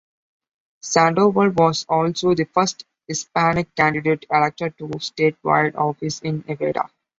Sandoval was also the first Hispanic candidate elected to statewide office in Nevada.